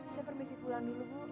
saya permisi pulang dulu